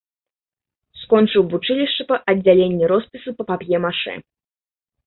Скончыў вучылішча па аддзяленні роспісу па пап'е-машэ.